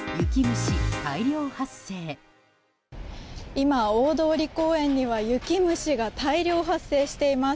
今、大通公園には雪虫が大量発生しています。